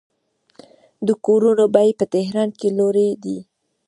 د کورونو بیې په تهران کې لوړې دي.